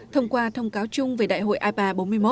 thông qua thông cáo chung về đại hội ipa bốn mươi một